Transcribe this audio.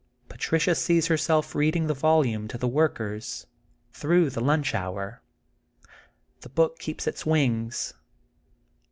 Patricia sees herself reading the volume to the workers, through the lunch hour. The book keeps its wings.